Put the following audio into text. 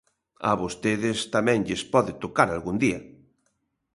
A vostedes tamén lles pode tocar algún día.